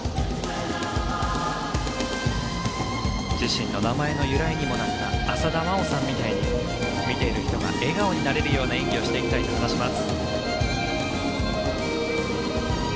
自身の名前の由来にもなった浅田真央さんみたいに見ている人が笑顔になれるような演技をしていきたいと話します。